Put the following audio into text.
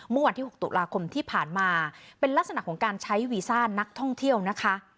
เมื่อวันที่๖ตุลาคมที่ผ่านมาเป็นลักษณะของการใช้วีซ่านักท่องเที่ยวนะคะ